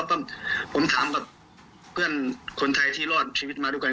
ผมถามแบบเพื่อนคนไทยที่รอดชีวิตมาดูกัน